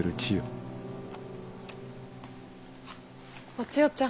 お千代ちゃん。